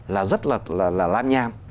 là rất là lam nham